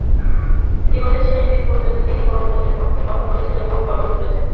জীবনের শেষ দিন পর্যন্ত তিনি গণতন্ত্রের পক্ষে কথা বলেছেন এবং কলম ধরেছেন।